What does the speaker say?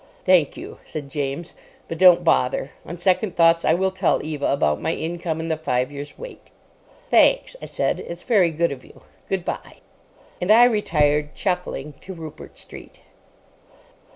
"Thank you," said James, "but don't bother. On second thoughts I will tell Eva about my income and the five years' wait." "Thanks," I said; "it's very good of you. Good bye." And I retired, chuckling, to Rupert Street.